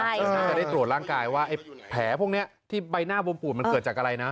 ก็น่าจะได้ตรวจร่างกายว่าไอ้แผลพวกนี้ที่ใบหน้าบวมปูดมันเกิดจากอะไรนะ